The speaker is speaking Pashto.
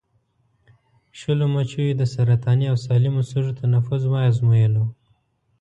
شلو مچیو د سرطاني او سالمو سږو تنفس وازمویلو.